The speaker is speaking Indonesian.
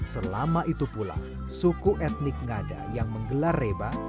selama itu pula suku etnik ngada yang menggelar reba